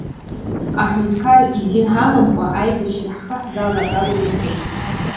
Аҳәынҭқар изин ҳамамкәа аибашьра ҳхы ҳзалагалом иҳәеит.